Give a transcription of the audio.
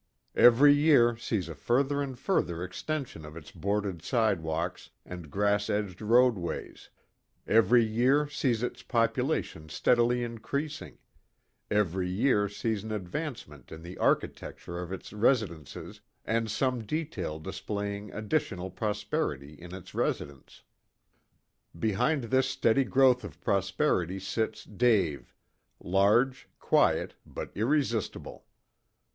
Every year sees a further and further extension of its boarded sidewalks and grass edged roadways; every year sees its population steadily increasing; every year sees an advancement in the architecture of its residences, and some detail displaying additional prosperity in its residents. Behind this steady growth of prosperity sits Dave, large, quiet, but irresistible.